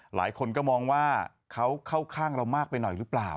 หลายคนก็มองว่าเขาเข้าข้างเรามากไปหน่อยหรือเปล่า